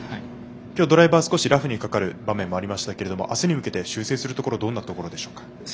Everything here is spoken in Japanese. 今日、ドライバー、少しラフにかかる場面もありましたが明日に向けて、修正するところはどんなところでしょう。